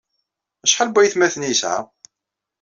Acḥal n waytmaten ay yesɛa?